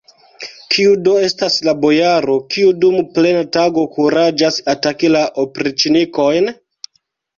Kiu do estas la bojaro, kiu dum plena tago kuraĝas ataki la opriĉnikojn?